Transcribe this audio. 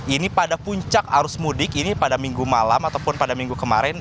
ini pada puncak arus mudik ini pada minggu malam ataupun pada minggu kemarin